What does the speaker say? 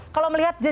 kalau melihat jejak